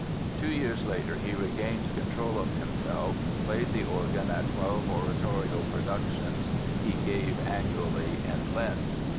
Two years later he regained control of himself, played the organ at twelve oratorio productions he gave annually in Lent.